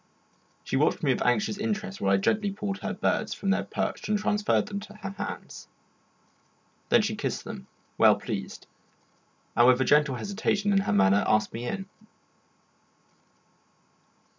She watched me with anxious interest while I gently pulled her birds from their perch and transferred them to her hands. Then she kissed them, well pleased, and with a gentle hesitation in her manner asked me in.